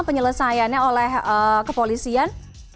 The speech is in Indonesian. penyelesaiannya oleh kepolisian